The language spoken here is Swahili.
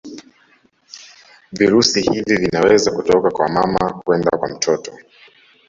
virusi hivi vinaweza kutoka kwa mama kwenda kwa mtoto